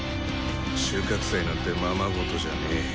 収穫祭なんてままごとじゃねえ。